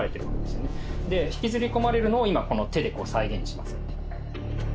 で引きずり込まれるのを今この手で再現します。